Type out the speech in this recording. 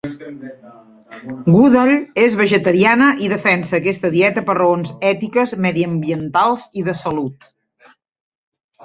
Goodall és vegetariana i defensa aquesta dieta per raons ètiques, mediambientals i de salut.